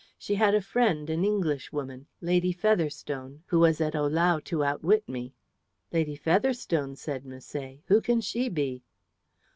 She had a friend, an Englishwoman, Lady Featherstone, who was at Ohlau to outwit me." "Lady Featherstone!" said Misset. "Who can she be?"